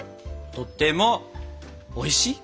とてもおいしい？